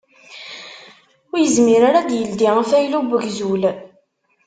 Ur yezmir ara ad d-yeldi afaylu n ugzul.